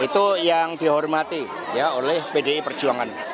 itu yang dihormati oleh pdi perjuangan